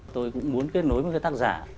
tôi cũng muốn kết nối với các tác giả